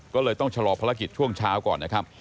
ก็เลยต้องชะลอภารกิจช่วงเช้าก่อนนะครับ